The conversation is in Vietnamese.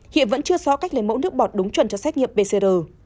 hiện vẫn chưa rõ cách lấy mẫu nước bọt đúng chuẩn cho xét nghiệm pcr